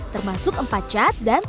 termasuk empat cat dan satu warna cat